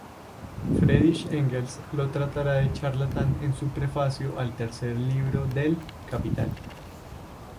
Friedrich Engels lo tratará de charlatán en su prefacio al tercer libro del "Capital.